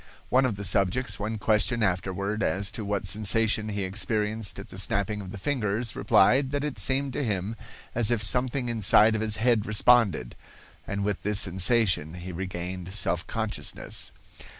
One of the subjects when questioned afterward as to what sensation he experienced at the snapping of the fingers, replied that it seemed to him as if something inside of his head responded, and with this sensation he regained self consciousness.